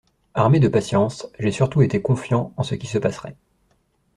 Armé de patience, j’ai surtout été confiant en ce qui se passerait.